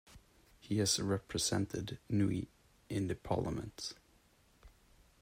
He has represented Nui in the parliament.